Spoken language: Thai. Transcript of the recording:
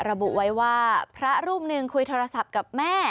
ระบุไว้ว่าพระรูปหนึ่งคุยโทรศัพท์กับแม่